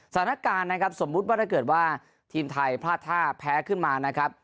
สถานการณ์นะครับสมมุติว่าถ้าเกิดว่าทีมไทยพลาดท่าแพ้ขึ้นมานะครับ